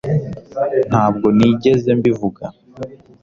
ntabwo nigeze mbivuga